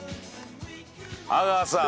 阿川さん。